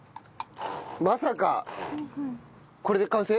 まさかこれで完成？